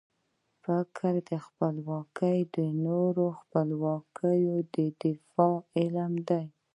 فکري خپلواکي د نورو خپلواکیو د دفاع علم دی.